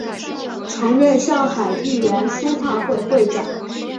曾任上海豫园书画会会长。